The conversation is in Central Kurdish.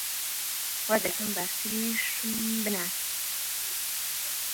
وا دەکەم باشتریشم بناسی!